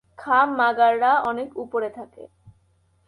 খাম মাগাররা অনেক উপরে থাকে।